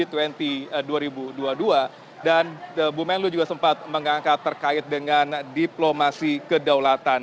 di tahun dua ribu dua puluh dua dan ibu menlo juga sempat mengangkat terkait dengan diplomasi kedaulatan